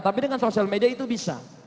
tapi dengan sosial media itu bisa